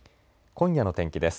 今夜の天気です。